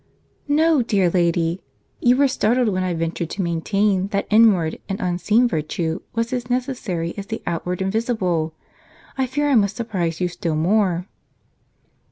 "No, dear lady. You were startled when I ventured to maintain that inward and unseen virtue was as necessary as the outward and visible: I fear I must surprise you still more."